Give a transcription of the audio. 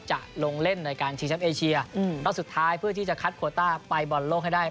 จะลงเล่นในการทีมชาติเอเชียอืมแล้วสุดท้ายเพื่อที่จะคัดโควต้าไปบอลโลกให้ได้